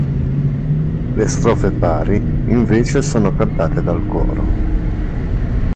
Le strofe pari invece sono cantate dal coro.